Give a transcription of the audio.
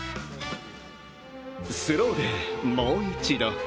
スローでもう一度。